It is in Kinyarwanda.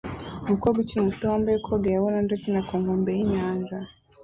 Umukobwa ukiri muto wambaye koga ya orange akina ku nkombe yinyanja